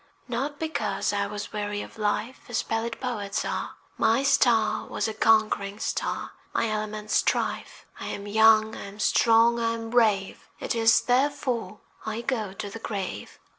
Not because I was weary of life As pallid poets are: My star was a conquering star, My element strife. I am young, I am strong, I am brave, It is therefore I go to the grave.